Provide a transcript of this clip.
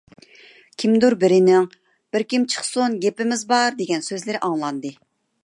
كىمدۇر بىرىنىڭ: «بىر كىم چىقسۇن، گېپىمىز بار!» دېگەن سۆزلىرى ئاڭلاندى.